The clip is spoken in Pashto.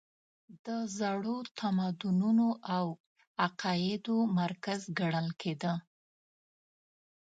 د زړو تمدنونو او عقایدو مرکز ګڼل کېده.